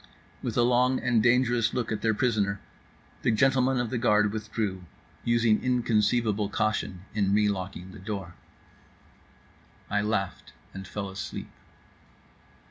With a long and dangerous look at their prisoner, the gentlemen of the guard withdrew, using inconceivable caution in the relocking of the door. I laughed and fell asleep.